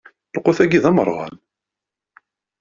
Lqut-agi d amerɣan.